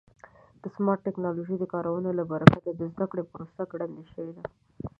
د سمارټ ټکنالوژۍ د کارونې له برکته د زده کړې پروسه ګړندۍ شوې ده.